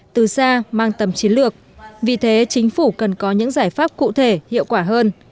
từ xa mang tầm chiến lược vì thế chính phủ cần có những giải pháp cụ thể hiệu quả hơn